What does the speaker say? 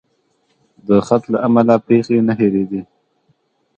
د خط له امله پیښې نه هېرېدې.